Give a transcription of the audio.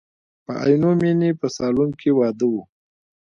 په عینومیني په سالون کې واده و.